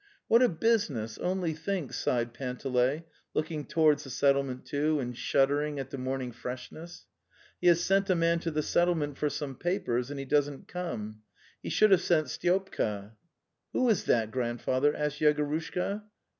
'What a business, only think!" sighed Panteley, looking towards the settlement, too, and shuddering at the morning freshness. '' He has sent a man to the settlement for some papers, and he doesn't come. 1\)4 Edie should)\have sent Styopka.)' "Who is that, Grandfather?" asked Yegorushka.